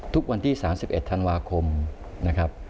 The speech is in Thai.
ทุกวันที่๓๑ธันวาคมนะครับ